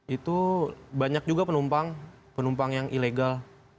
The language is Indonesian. itu banyak juga penumpang penumpang yang ilegal